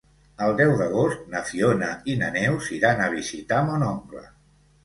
El deu d'agost na Fiona i na Neus iran a visitar mon oncle.